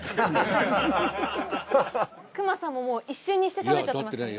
隈さんももう一瞬にして食べちゃってましたね。